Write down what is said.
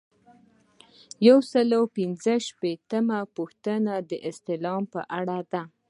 یو سل او پنځه ویشتمه پوښتنه د استعفا په اړه ده.